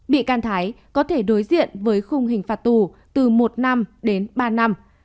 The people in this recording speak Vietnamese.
bị can thái có thể đối diện với khung hình phạt tù từ một năm đến ba năm